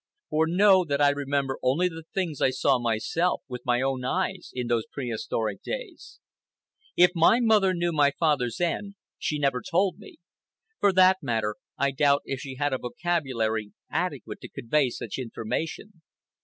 For know that I remember only the things I saw myself, with my own eyes, in those prehistoric days. If my mother knew my father's end, she never told me. For that matter I doubt if she had a vocabulary adequate to convey such information.